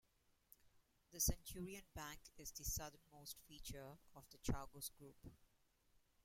The Centurion Bank is the southernmost feature of the Chagos group.